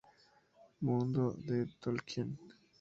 El mundo de Tolkien.